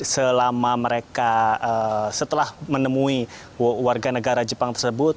selama mereka setelah menemui warga negara jepang tersebut